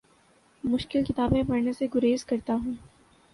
مشکل کتابیں پڑھنے سے گریز کرتا ہوں